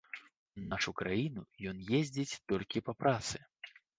У нашу краіну ён ездзіць толькі па працы.